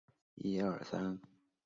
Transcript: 灵吸怪是雌雄同体的生物。